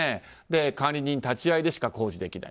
管理人立ち会いでしか工事できない。